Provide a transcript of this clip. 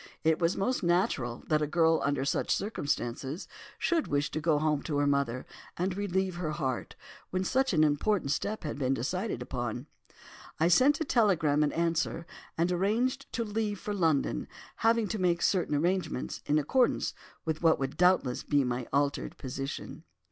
It was most natural that a girl under such circumstances should wish to go home to her mother, and relieve her heart, when such an important step had been decided upon. I sent a telegram in answer, and arranged to leave for London, having to make certain arrangements in accordance with what would doubtless be my altered position.